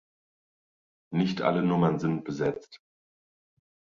Nicht alle Nummern sind besetzt.